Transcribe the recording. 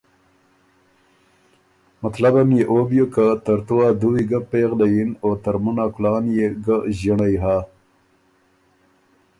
مطلبم يې او بیوک که ترتُو ا دُوی ګه پېغلئ یِن او ترمُن ا کلان يې ګه ݫِنړئ هۀ۔